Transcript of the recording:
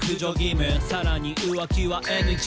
「さらに浮気はＮＧ」